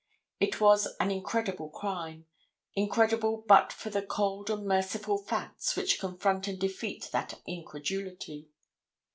It was an incredible crime, incredible but for the cold and merciful facts which confront and defeat that incredulity.